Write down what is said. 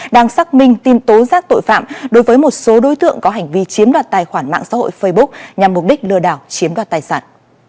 đang xác minh tin tố giác tội phạm đối với một số đối tượng có hành vi chiếm đoạt tài khoản mạng xã hội facebook nhằm mục đích lừa đảo chiếm đoạt tài sản